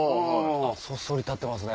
そそり立ってますね。